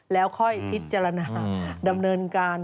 แล้วค่อยพิจารณาดำเนินการ